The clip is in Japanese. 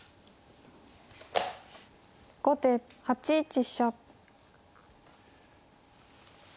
後手８一飛車。